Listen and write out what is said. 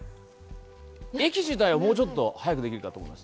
駅自体はもうちょっと早くできると思います。